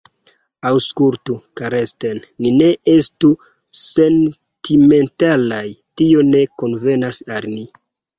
Aŭskultu, Karsten, ni ne estu sentimentalaj; tio ne konvenas al ni.